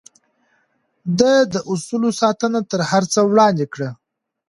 ده د اصولو ساتنه تر هر څه وړاندې کړه.